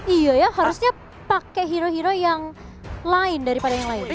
iya harusnya pakai hero hero yang lain daripada yang lain